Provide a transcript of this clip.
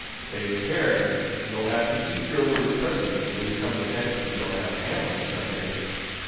"Take care; you'll have to eat your words presently when you come to fancy he'll have Hamley some day."